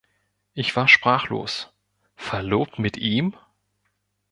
Ich war sprachlos. „Verlobt mit ihm?“